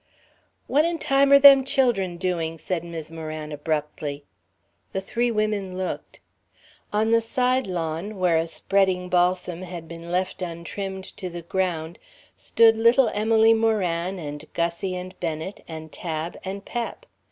"What in time are them children doing?" said Mis' Moran, abruptly. The three women looked. On the side lawn, where a spreading balsam had been left untrimmed to the ground, stood little Emily Moran and Gussie and Bennet and Tab and Pep.